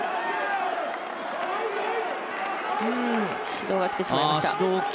指導がきてしまいました。